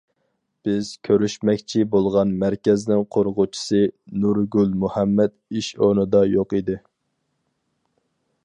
بىز كۆرۈشمەكچى بولغان مەركەزنىڭ قۇرغۇچىسى نۇرگۈل مۇھەممەت ئىش ئورنىدا يوق ئىدى.